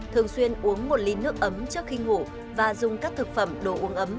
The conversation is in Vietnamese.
thường xuyên uống một ly nước ấm trước khi ngủ và dùng các thực phẩm đồ uống ấm